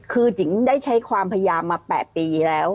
คือจิ๋งได้ใช้ความพยายามมา๘ปีแล้ว